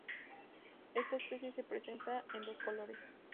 Esta especie se presenta en dos colores.